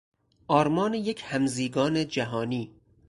آرمان یک همزیگان جهانی